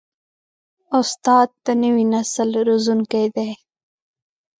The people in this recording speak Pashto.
استاد د نوي نسل روزونکی دی.